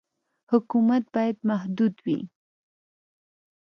حکومت باید محدود وي.